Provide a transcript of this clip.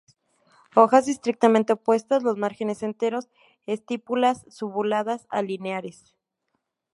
Hojas estrictamente opuestas, los márgenes enteros; estípulas subuladas a lineares.